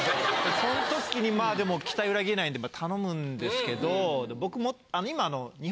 そん時に期待裏切れないんで頼むんですけど僕も今。